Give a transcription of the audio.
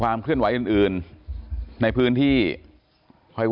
ปลาส้มกลับมาถึงบ้านโอ้โหดีใจมาก